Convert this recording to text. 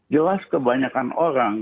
jelas kebanyakan orang